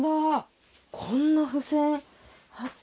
こんな付箋貼って。